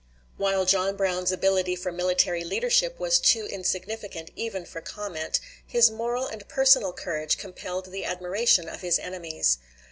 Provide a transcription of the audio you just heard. While John Brown's ability for military leadership was too insignificant even for comment, his moral and personal courage compelled the admiration of his enemies.